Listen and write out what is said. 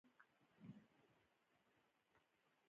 کب په اوبو کې لاندې لاړ.